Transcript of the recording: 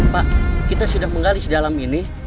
pak kita sudah menggalis dalam ini